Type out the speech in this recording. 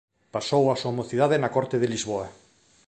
Pasou a súa mocidade na corte de Lisboa.